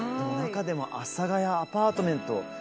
中でも「阿佐ヶ谷アパートメント」。